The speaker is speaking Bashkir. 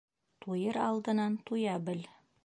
Туйыр алынан туя бел